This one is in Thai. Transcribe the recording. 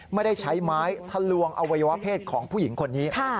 ไม่ได้ใช้ไม้ทะลวงอวัยวะเพศของผู้หญิงคนนี้